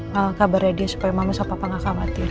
ngabarin dia supaya mama sama papa gak khawatir